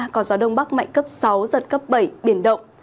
có gió đông bắc mạnh cấp sáu giật cấp bảy biển động